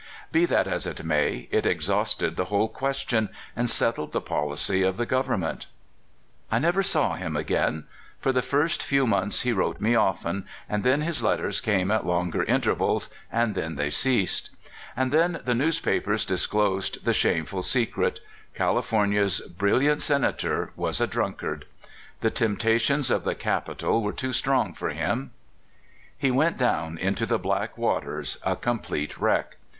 Be that as it may, it exhausted the whole question, and settled the policy of the government. I never saw him again. For the first few months he wrote me often, and then his letters came at longer intervals, and then they ceased. And then the newspapers disclosed the shameful secret — California's brilliant Senator was a drunk ard. The temptations of the capital were too THE CALIFORNIA POLITICIAN. 261 Strong for him. He went down into the black waters a complete wreck.